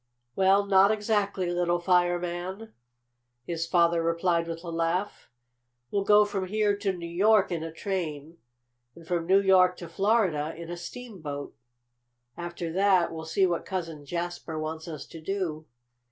"Well, not exactly, little fireman," his father replied with a laugh. "We'll go from here to New York in a train, and from New York to Florida in a steamboat. "After that we'll see what Cousin Jasper wants us to do.